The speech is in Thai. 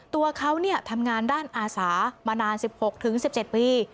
ตัวเขาทำงานด้านอาสามานาน๑๖๑๗ปี